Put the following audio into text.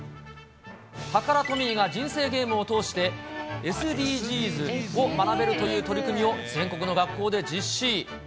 タカラトミーが人生ゲームを通して、ＳＤＧｓを学べるという取り組みを全国の学校で実施。